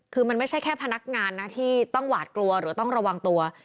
คือมันไม่ใช่แค่พนักงานนะที่ต้องหวาดกลัวหรือต้องระวังตัว